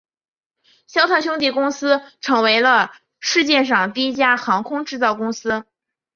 肖特兄弟公司成为了世界上第一家航空制造公司。